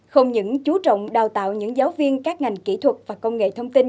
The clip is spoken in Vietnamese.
không những chú trọng đào tạo những giáo viên các ngành kỹ thuật và công nghệ thông tin